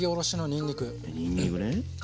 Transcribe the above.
にんにくね。